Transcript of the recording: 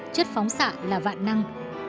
chất phóng xạ là vạn năng